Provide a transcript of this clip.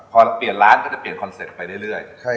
พอเปลี่ยนร้านก็จะเปลี่ยนคอนเซ็ปต์ไปเรื่อย